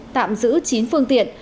tạm giữ chín phương tiện